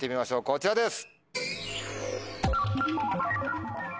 こちらです！